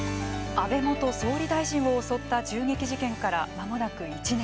安倍元総理大臣を襲った銃撃事件からまもなく１年。